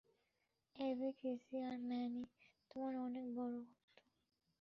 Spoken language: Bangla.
এভি, কিজি আর ম্যানি তোমার অনেক বড় ভক্ত।